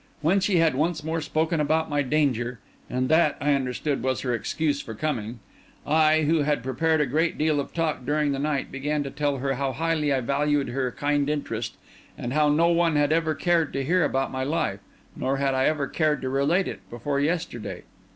When she had once more spoken about my danger—and that, I understood, was her excuse for coming—I, who had prepared a great deal of talk during the night, began to tell her how highly I valued her kind interest, and how no one had ever cared to hear about my life, nor had I ever cared to relate it, before yesterday.